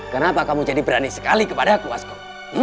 kenapa kamu jadi berani sekali kepada aku waskolo